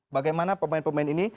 bagaimana pemain pemain ini